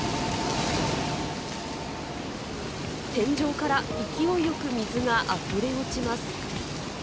天井から勢いよく水が溢れ落ちます。